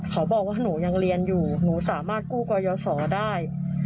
เขาบอกว่าหนูยังเรียนอยู่หนูสามารถกู้ก่อยสอได้